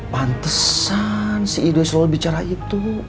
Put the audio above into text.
pantesan si ibu selalu bicara itu